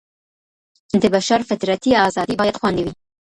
د بشر فطرتي ازادي بايد خوندي وي.